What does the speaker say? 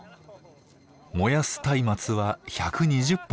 燃やす松明は１２０本。